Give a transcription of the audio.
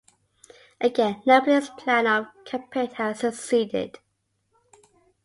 Again Napoleon's plan of campaign had succeeded.